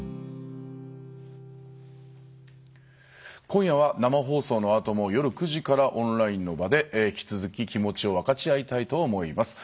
今夜は生放送のあとも夜９時からオンラインの場で引き続き気持ちを分かち合いたいと思います。